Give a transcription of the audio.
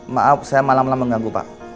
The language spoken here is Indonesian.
maaf saya malam malam mengganggu pak